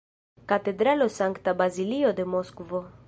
Katedralo Sankta Bazilio de Moskvo.